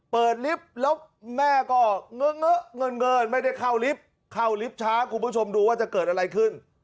ลิฟต์แล้วแม่ก็เงอะเงินไม่ได้เข้าลิฟต์เข้าลิฟต์ช้าคุณผู้ชมดูว่าจะเกิดอะไรขึ้น